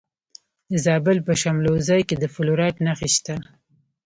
د زابل په شمولزای کې د فلورایټ نښې شته.